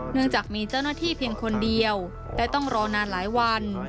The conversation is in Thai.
จากมีเจ้าหน้าที่เพียงคนเดียวและต้องรอนานหลายวัน